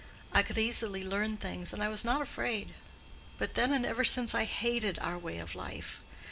I could easily learn things, and I was not afraid. But then and ever since I hated our way of life.